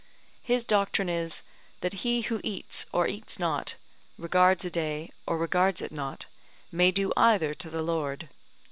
His doctrine is, that he who eats or eats not, regards a day or regards it not, may do either to the Lord.